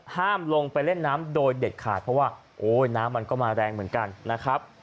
ห้ามลงไปเล่นน้ำโดยเด็ดขาดเพราะว่าโอ้ยน้ำมันก็มาแรงเหมือนกันนะครับ